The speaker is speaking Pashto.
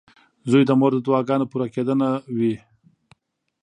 • زوی د مور د دعاګانو پوره کېدنه وي.